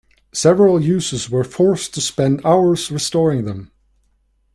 Several users were forced to spend hours restoring them.